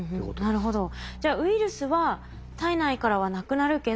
なるほど。